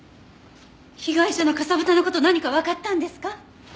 被害者のかさぶたの事何かわかったんですか？